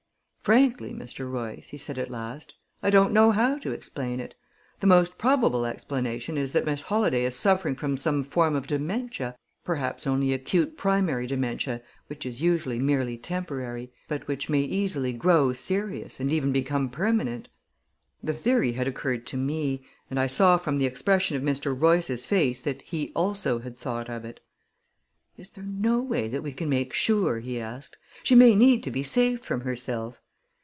"Frankly, Mr. Royce," he said at last, "I don't know how to explain it. The most probable explanation is that Miss Holladay is suffering from some form of dementia perhaps only acute primary dementia, which is usually merely temporary but which may easily grow serious, and even become permanent." The theory had occurred to me, and I saw from the expression of Mr. Royce's face that he, also, had thought of it. "Is there no way that we can make sure?" he asked. "She may need to be saved from herself."